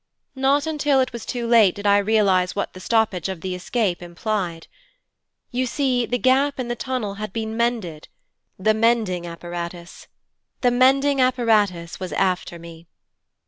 Not until it was too late did I realize what the stoppage of the escape implied. You see the gap in the tunnel had been mended; the Mending Apparatus; the Mending Apparatus, was after me.